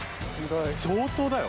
相当だよ。